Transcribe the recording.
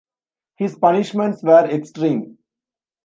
His punishments were extreme.